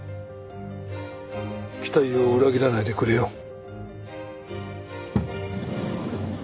期待を裏切らないでくれよ。